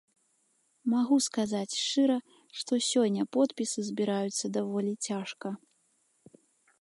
Магу сказаць шчыра, што сёння подпісы збіраюцца даволі цяжка.